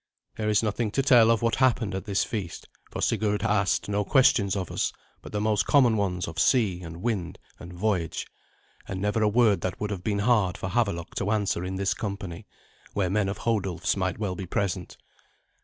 There is nothing to tell of what happened at this feast, for Sigurd asked no questions of us but the most common ones of sea, and wind, and voyage, and never a word that would have been hard for Havelok to answer in this company, where men of Hodulf's might well be present.